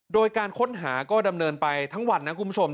โดยการค้นหาก็ดำเนินไปทั้งวันนะคุณผู้ชม